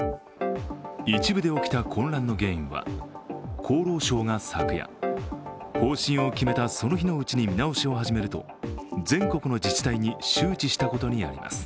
一部で起きた混乱の原因は、厚労省が昨夜、方針を決めたその日のうちに見直しを始めると全国の自治体に周知したことにあります。